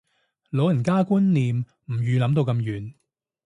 老人家觀念唔預諗到咁遠